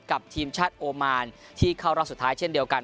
ทีมชาติโอมานที่เข้ารอบสุดท้ายเช่นเดียวกัน